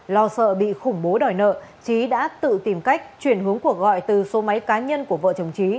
lo sợ bị khủng bố đòi nợ trí đã tự tìm cách chuyển hướng cuộc gọi từ số máy cá nhân của vợ chồng trí